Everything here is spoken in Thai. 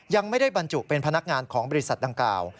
ยังไม่ได้บรรจุเป็นพนักงานของบริษัทดังกล่าว